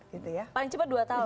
paling cepat dua tahun